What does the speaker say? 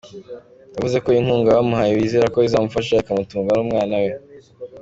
Yavuze ko inkunga bamuhaye bizera ko izamufasha ikamutungana n’umwana we.